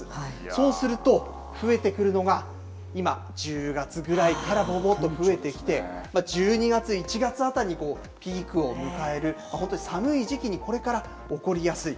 そうすると、増えてくるのが今、１０月ぐらいからぼんぼんと増えてきて、１２月、１月あたりにピークを迎える、本当に寒い時期に、これから起こりやすい。